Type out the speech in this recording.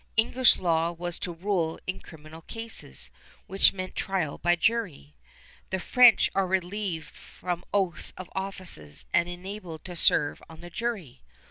English law was to rule in criminal cases, which meant trial by jury. The French are relieved from oaths of office and enabled to serve on the jury.